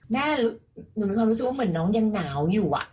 แม่หนูมีความรู้สึกว่าเหมือนน้องยังหนาวอยู่